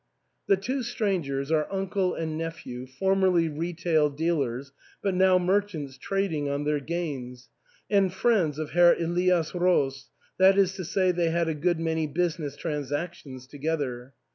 The two strangers are uncle and nephew, formerly retail dealers, but now merchants trading on their gains, and friends of Herr Elias Roos, that is to say, they had a good many busi ness transactions together.